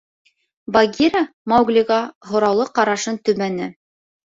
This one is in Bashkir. Багира Мауглиға һораулы ҡарашын төбәне.